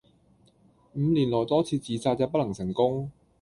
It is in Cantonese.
五年來多次自殺也不能成功